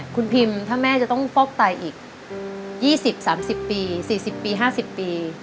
คุณพิมถ้าแม่จะต้องฟอกตายอีกยี่สิบสามสิบปีสี่สิบปีห้าสิบปี